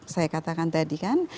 saya katakan tadi kan